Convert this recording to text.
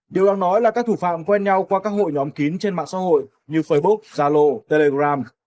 điều đáng nói là các thủ phạm quen nhau qua các hội nhóm kín trên mạng xã hội như facebook zalo telegram